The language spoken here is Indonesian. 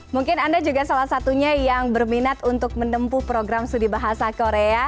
mungkin anda juga salah satunya yang berminat untuk menempuh program studi bahasa korea